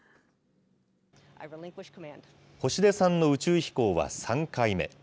星出さんの宇宙飛行は３回目。